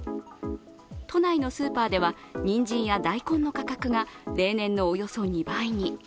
都内のスーパーではにんじんや大根の価格が例年のおよそ２倍に。